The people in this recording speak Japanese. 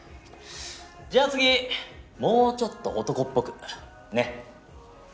じゃ次もうちょっと男っぽくねっ。